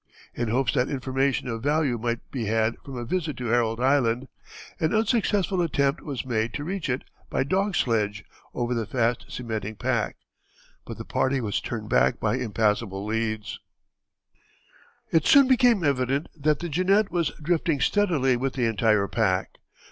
In hopes that information of value might be had from a visit to Herald Island, an unsuccessful attempt was made to reach it by dog sledge over the fast cementing pack, but the party was turned back by impassable leads. [Illustration: Herald Island.] It soon became evident that the Jeannette was drifting steadily with the entire pack.